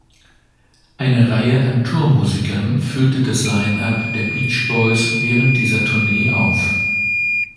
Eine Reihe an Tour-Musikern füllte das Line-Up der Beach Boys während dieser Tournee auf.